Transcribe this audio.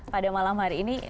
pada malam hari ini